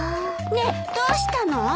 ねえどうしたの？